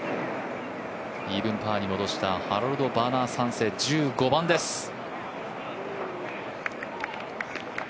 イーブンパーに戻したハロルド・バーナー３世１５番です。